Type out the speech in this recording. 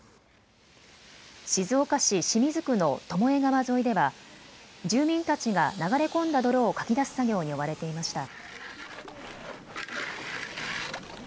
静岡市清水区の巴川沿いでは住民たちが流れ込んだ泥をかき出す作業に追われていました。